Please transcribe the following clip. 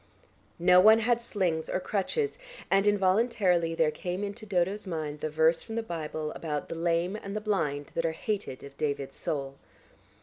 No one had slings or crutches, and involuntarily there came into Dodo's mind the verse from the Bible about "the lame and the blind that are hated of David's soul."